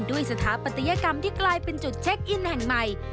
สถาปัตยกรรมที่กลายเป็นจุดเช็คอินแห่งใหม่